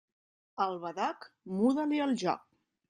Al badoc muda-li el joc.